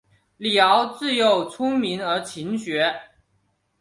李鏊自幼聪明而勤学。